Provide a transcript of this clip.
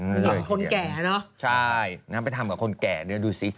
คนแก่เนอะใช่ไปทำกับคนแก่ดูสิ